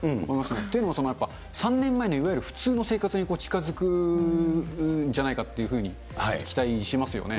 っていうのはやっぱ、３年前のいわゆる普通の生活に近づくんじゃないかっていうふうに期待しますよね。